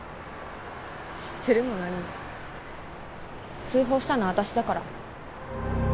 知ってるも何も通報したの私だから。